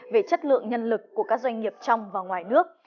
về chất lượng nhân lực của các doanh nghiệp trong và ngoài nước